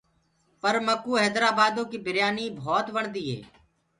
پر مڪو هيدرآبآدو ڪيٚ بِريآنيٚ ڀوت وڻديٚ هي۔